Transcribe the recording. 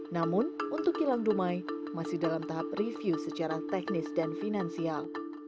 namun untuk kilang dumai masih dalam tahap review secara teknis dan finansial